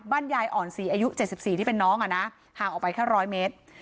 บ้านยายอ่อนศรีอายุเจ็ดสิบสี่ที่เป็นน้องอ่ะนะห่างออกไปแค่ร้อยเมตร